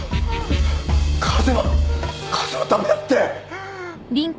風は風は駄目だって！